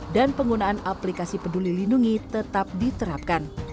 dan penggunaan aplikasi peduli lindungi tetap diterapkan